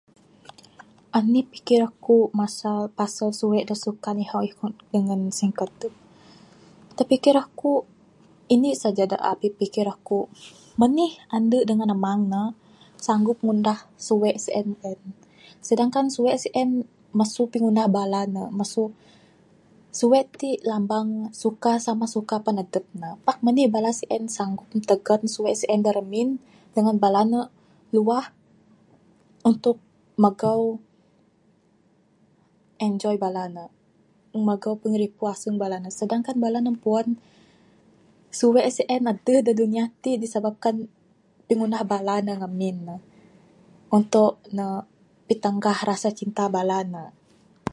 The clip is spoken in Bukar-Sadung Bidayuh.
Enih pikir aku masa pasal suwek dak suka ihong ihong dengan singkadep. Dak pikir aku ini saja dak abih pikir ku menih ande dengan amang ne sanggup ngundah suwek sien, sedangkn suwek sien mesu pingundah bala ne mesu suwek t lambang suka samah suka panadep ne. Pak menih bala sien sanggup tegan suwek sien dak remin dengan bala ne luah untuk megau enjoy bala ne. Meng megau piripu aseng bala ne, sedangkn bala ne puan suwek sien adeh dak dunia t disebabkan pingundah bala ne ngemin ne untuk ne pitengah rasa cinta bala ne.